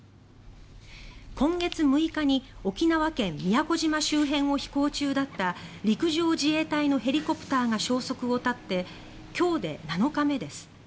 今月６日に沖縄県・宮古島周辺を飛行中だった陸上自衛隊のヘリコプターが消息を絶って今日で７日目です。